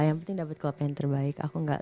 yang penting dapet klubnya yang terbaik aku gak